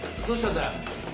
どうしたんだ？